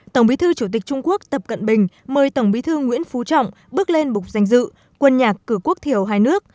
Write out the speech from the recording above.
tổng bí thư chủ tịch trung quốc tập cận bình mời tổng bí thư nguyễn phú trọng bước lên bục danh dự quân nhạc cử quốc thiểu hai nước